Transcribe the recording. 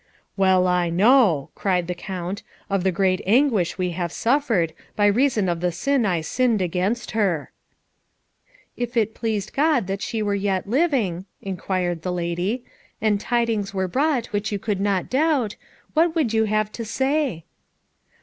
"Well I know," cried the Count, "of the great anguish we have suffered, by reason of the sin I sinned against her." "If it pleased God that she were yet living," inquired the lady, "and tidings were brought which you could not doubt, what would you have to say?"